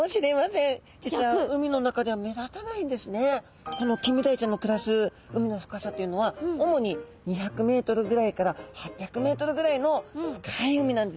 実はこのキンメダイちゃんの暮らす海の深さというのは主に２００ｍぐらいから８００ｍぐらいの深い海なんですね。